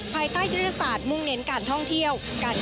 ภายใต้ยุทธศาสตร์มุ่งเน้นการท่องเที่ยว